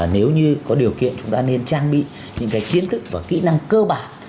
nếu như có điều kiện chúng ta nên trang bị những cái kiến thức và kỹ năng cơ bản